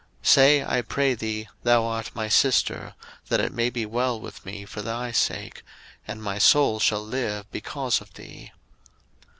01:012:013 Say, I pray thee, thou art my sister: that it may be well with me for thy sake; and my soul shall live because of thee.